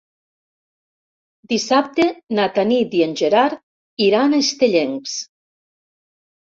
Dissabte na Tanit i en Gerard iran a Estellencs.